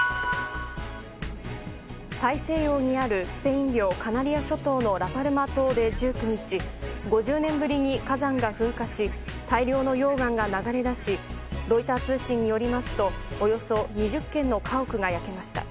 大西洋にあるスペイン領カナリア諸島のラパルマ島で１９日、５０年ぶりに火山が噴火し大量の溶岩が流れ出しロイター通信によりますとおよそ２０軒の家屋が焼けました。